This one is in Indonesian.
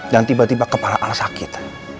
dan tiba tiba kepala al sakit